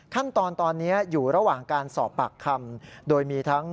ขั้นตอนตอนนี้อยู่ระหว่างการสอบปากคำโดยมีทั้ง